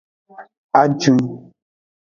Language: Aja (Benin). Azwi.